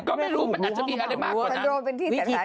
ก็ไม่รู้มันอาจจะมีอะไรมากกว่านั้น